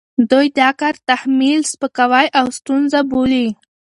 دوی دا کار تحمیل، سپکاوی او ستونزه بولي،